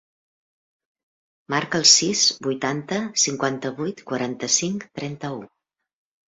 Marca el sis, vuitanta, cinquanta-vuit, quaranta-cinc, trenta-u.